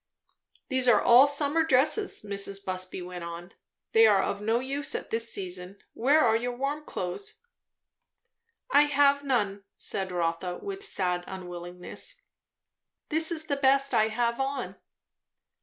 "These are all summer dresses," Mrs. Busby went on. "They are of no use at this season. Where are your warm clothes?" "I have none," said Rotha, with sad unwillingness. "This is the best I have on."